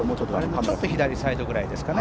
ちょっと左サイドぐらいですかね。